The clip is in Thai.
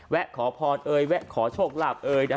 แวะขอพรเอยแวะขอโชคหลับเอย